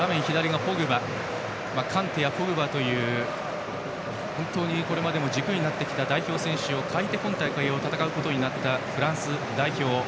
カンテやポグバというこれまでも軸になってきた代表選手を欠いて今大会を戦うことになったフランス代表。